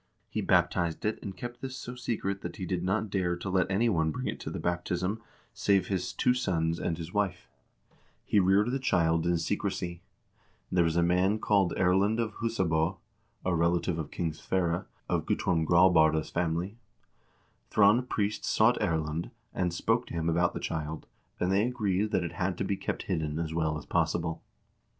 He baptized it and kept this so secret that he did not dare to let any one bring it to the baptism, save his two sons and his wife. KING HAAKON HAAKONSSON AND SKULE JARL 411 He reared the child in secrecy. There was a man called Erlend of Husab0, a relative of King Sverre, of Guttorm Graabarde's family. Thrond Priest sought Erlend, and spoke to him about the child, and they agreed that it had to be kept hidden as well as possible.